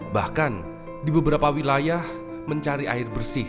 bahkan di beberapa wilayah mencari air bersih